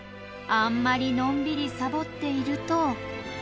あんまりのんびりさぼっていると。